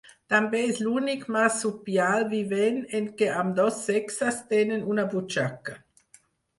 També és l'únic marsupial vivent en què ambdós sexes tenen una butxaca.